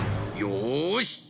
よし！